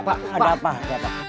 ada pak ada pak